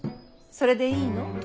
それでいいの？